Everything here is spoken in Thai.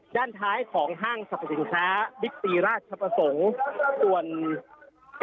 ด้านท้ายของห้างสรรพสินค้าบิ๊กตีราชประสงค์ส่วน